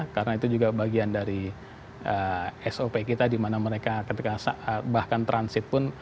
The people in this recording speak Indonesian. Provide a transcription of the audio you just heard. karena itu juga bagian dari sop kita di mana mereka ketika bahkan transit pun